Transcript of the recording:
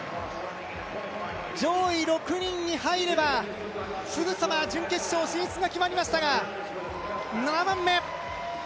上位６人に入ればすぐさま準決勝進出が決まりましたが、７番目。